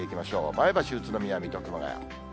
前橋、宇都宮、水戸、熊谷。